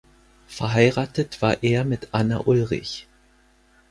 Verheiratet war er mit Anna Ulrich.